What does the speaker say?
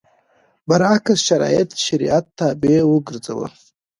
برعکس شرایط شریعت تابع وګرځوو.